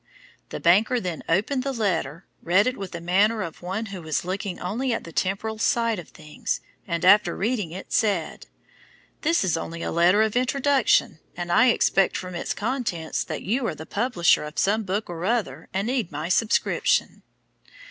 The banker then opened the letter, read it with the manner of one who was looking only at the temporal side of things, and after reading it said, 'This is only a letter of introduction, and I expect from its contents that you are the publisher of some book or other and need my subscription.'